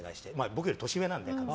僕より年上なので。